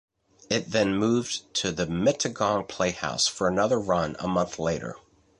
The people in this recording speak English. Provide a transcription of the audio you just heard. It then moved to the Mittagong Playhouse for another run a month later.